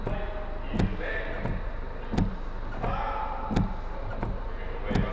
いいですね、決断のときでございます。